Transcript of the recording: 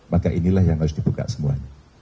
maka inilah yang harus dibuka semuanya